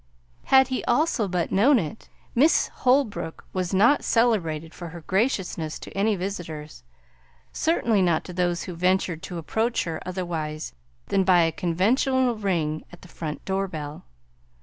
Had he also but known it, Miss Holbrook was not celebrated for her graciousness to any visitors, certainly not to those who ventured to approach her otherwise than by a conventional ring at her front doorbell.